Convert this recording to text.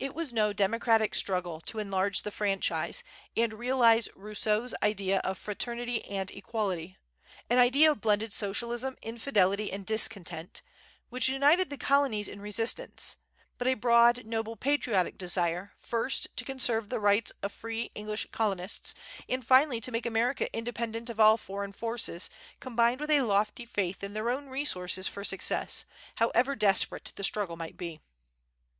It was no democratic struggle to enlarge the franchise, and realize Rousseau's idea of fraternity and equality, an idea of blended socialism, infidelity, and discontent, which united the colonies in resistance; but a broad, noble, patriotic desire, first, to conserve the rights of free English colonists, and finally to make America independent of all foreign forces, combined with a lofty faith in their own resources for success, however desperate the struggle might be.